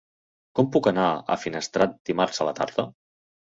Com puc anar a Finestrat dimarts a la tarda?